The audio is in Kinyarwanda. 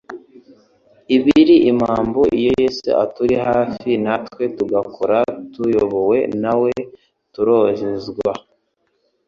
Ibiri amambu, iyo Yesu aturi hafi, natwe tugakora tuyobowe na we turuezezwa